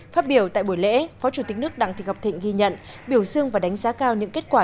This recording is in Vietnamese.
phát biểu tại buổi lễ phó chủ tịch nước đặng thị ngọc thịnh ghi nhận biểu dương và đánh giá cao những kết quả